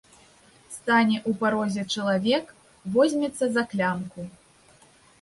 Стане ў парозе чалавек, возьмецца за клямку.